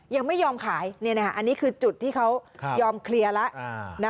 ยังไม่ยอมขายเนี้ยนะคะอันนี้คือจุดที่เขายอมเคลียร์แล้วอ่า